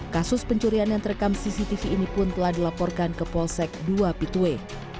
kasus pencurian yang terekam cctv ini pun telah dilaporkan ke polsek dua pituwe